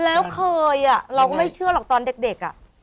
แล้วเคยอ่ะเราก็ไม่เชื่อหรอกตอนเด็กอ่ะ